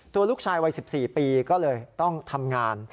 ตัวลูกชายวัย๑๔ปีก็เลยต้องทำงาน